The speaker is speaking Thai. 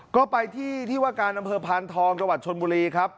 ก็ไปที่ที่วาการทางพ้านทองตะวัดชนบุรีครับ